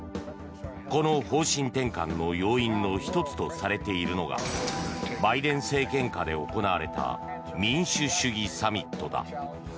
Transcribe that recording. この方針転換の要因の１つとされているのがバイデン政権下で行われた民主主義サミットだ。